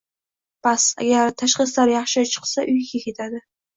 Bas, agar tashxislar yaxshi chiqsa uyiga ketadi.